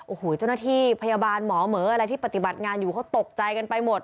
โอ้โหเจ้าหน้าที่พยาบาลหมอเหมืออะไรที่ปฏิบัติงานอยู่เขาตกใจกันไปหมด